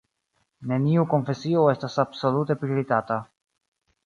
Neniu konfesio estas absolute prioritata.